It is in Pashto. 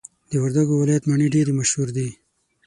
د وردګو ولایت مڼي ډیري مشهور دي.